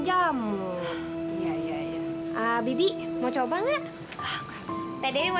iya begitu begitu ya